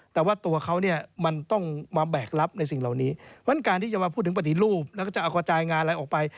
แต่ว่าตัวเขาเนี่ยมันต้องมาแบกรับในสิ่งเหล่านี้เพราะฉะนั้นการที่จะมาพูดถึงปฏิรูปแล้วก็จะเอากระจายงานอะไรออกไป